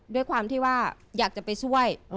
ด้วยความที่ว่าอยากจะไปช่วย